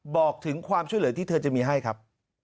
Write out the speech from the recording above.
บอกถึงความช่วยเหลือที่เธอจะมีให้ครับ